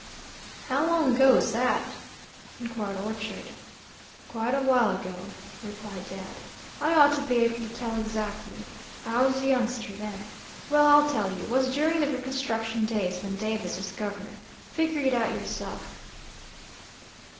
"How long ago was that?" inquired Orchard. "Quite a while ago," replied Dad. "I ought to be able to tell exactly. I was a youngster then. Well, I'll tell you; it was during the reconstruction days, when Davis was governor. Figure it out yourself."